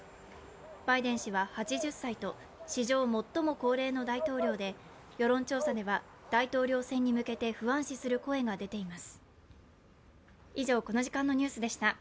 バイデン氏は８０歳と、史上最も高齢の大統領で世論調査では大統領選に向けて不安視する声が出ています。